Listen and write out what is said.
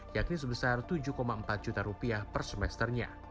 yakni sebesar rp tujuh empat juta per semesternya